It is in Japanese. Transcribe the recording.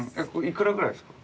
幾らぐらいですか？